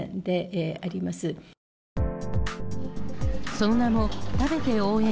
その名も、食べて応援！